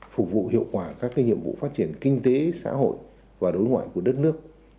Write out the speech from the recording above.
phục vụ hiệu quả các nhiệm vụ phát triển kinh tế xã hội và đối ngoại của đất nước